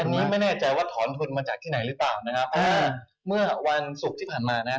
อันนี้ไม่แน่ใจว่าถอนทุนมาจากที่ไหนหรือเปล่านะครับเพราะว่าเมื่อวันศุกร์ที่ผ่านมานะฮะ